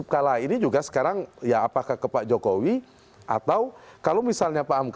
kalau ada peluang